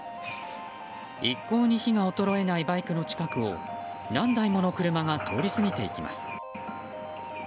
一向に火が衰えないバイクの近くを何台もの車が通り過ぎていきます。